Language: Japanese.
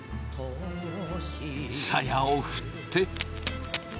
さやを振って。